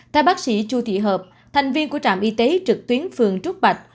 theo bác sĩ chu thị hợp thành viên của trạm y tế trực tuyến phường trúc bạch